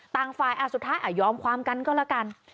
ต่างฝ่ายอ่ะสุดท้ายอ่ะยอมความกันก็ละกัน